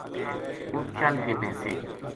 اُت چل کے بیسے